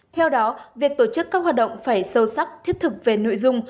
theo đó việc tổ chức các hoạt động phải sâu sắc thiết thực về nội dung